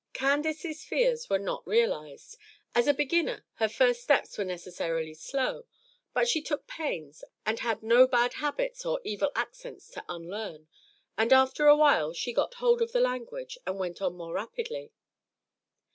Candace's fears were not realized. As a beginner, her first steps were necessarily slow; but she took pains, and had no bad habits or evil accents to unlearn, and after a while she "got hold" of the language and went on more rapidly.